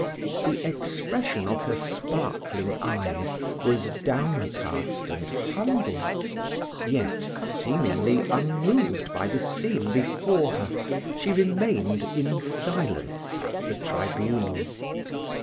The expression of her sparkling eyes was downcast and humble; yet, seemingly unmoved by the scene before her, she remained in silence at the tribunal.